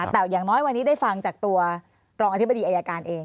แต่อย่างน้อยวันนี้ได้ฟังจากตัวรองอธิบดีอายการเอง